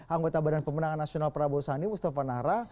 anggota badan pemenangan nasional prabowo sandi mustafa nahra